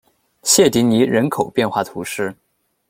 谢迪尼人口变化图示